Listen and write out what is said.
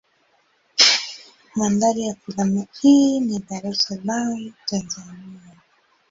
Mandhari ya filamu hii ni Dar es Salaam Tanzania.